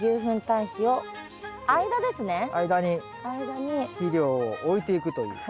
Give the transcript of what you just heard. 間に肥料を置いていくという。